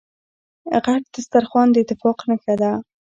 غټ سترخوان داتفاق نښه ده.